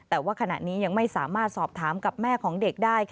แต่ว่าขณะนี้ยังไม่สามารถสอบถามกับแม่ของเด็กได้